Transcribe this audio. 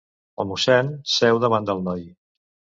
El mossèn seu davant del noi.